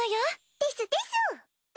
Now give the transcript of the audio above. ですです！